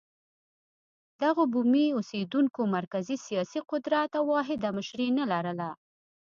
دغو بومي اوسېدونکو مرکزي سیاسي قدرت او واحده مشري نه لرله.